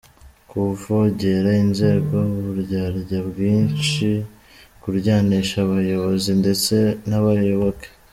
Kuvogera inzego, uburyarya bwinshi kuryanisha abayobozi ndetse n’abayoboke !